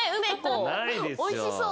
おいしそう。